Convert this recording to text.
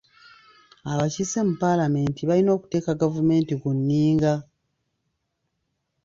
Abakiise mu paalamenti balina okuteeka gavumenti ku nninga.